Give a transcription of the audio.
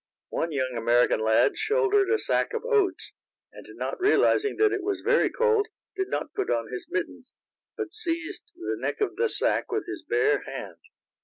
One young American lad shouldered a sack of oats, and not realizing that it was very cold, did not put on his mittens, but seized the neck of the sack with his bare hand.